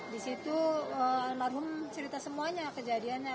disitu almarhum cerita semuanya kejadiannya